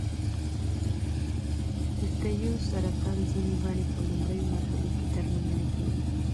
د تیو سرطان ځینې بڼې په لومړیو مرحلو کې درملنه کېږي.